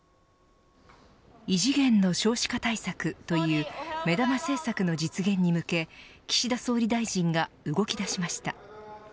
異次元の少子化対策という目玉政策の実現に向け岸田総理大臣が動き出しました。